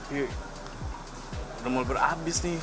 ini remol berabis nih